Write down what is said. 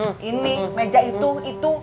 banyak ini ini meja itu itu